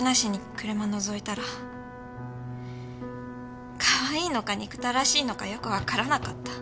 かわいいのか憎たらしいのかよくわからなかった。